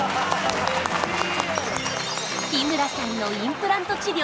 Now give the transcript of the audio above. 日村さんのインプラント治療